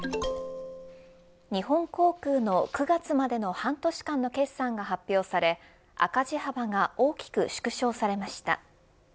日本航空の９月までの半年間の決算が発表され赤字幅が大きく縮小されました。